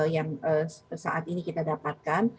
yang saat ini kita dapatkan